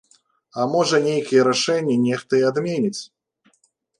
А можа, нейкія рашэнні нехта і адменіць.